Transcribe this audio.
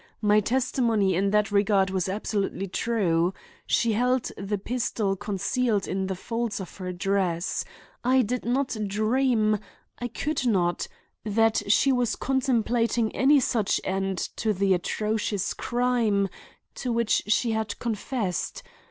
My testimony in that regard was absolutely true. She held the pistol concealed in the folds of her dress. I did not dream—I could not—that she was contemplating any such end to the atrocious crime—to which she had confessed.